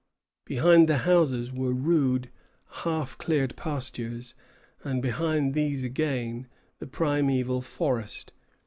Behind the houses were rude, half cleared pastures, and behind these again, the primeval forest.